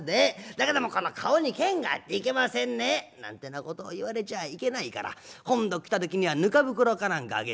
だけどもこの顔に険があっていけませんね』なんてなことを言われちゃあいけないから今度来た時にはぬか袋か何かあげちゃうんだ。